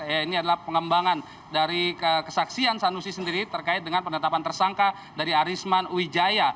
ini adalah pengembangan dari kesaksian sanusi sendiri terkait dengan penetapan tersangka dari arisman wijaya